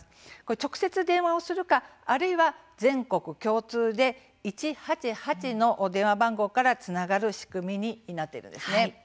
直接電話をするか、あるいは全国共通で１８８の電話番号からつながる仕組みになっているんです。